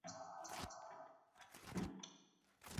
He was a visiting scholar at Cornell University.